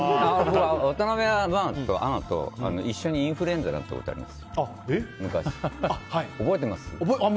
渡辺アナと一緒にインフルエンザになったことあります。